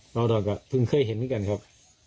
เราก็เพิ่งเคยเห็นเหมือนกันครับ